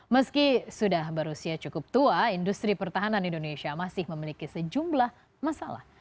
meski sudah berusia cukup tua industri pertahanan indonesia masih memiliki sejumlah masalah